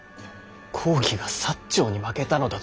公儀が長に負けたのだと知った。